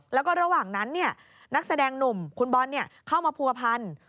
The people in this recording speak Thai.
แล้วก็ระหว่างนั้นนักแสดงหนุ่มคุณบอลเข้ามาผัวพัน